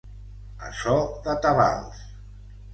A so de tabals.